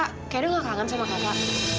kak edo gak kangen sama kava